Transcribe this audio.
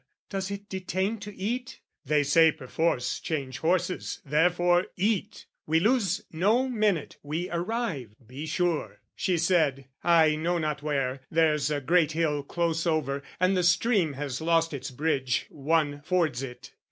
"Does it detain to eat?" " They stay perforce, change horses, therefore eat! We lose no minute: we arrive, be sure!" She said I know not where there's a great hill Close over, and the stream has lost its bridge, One fords it.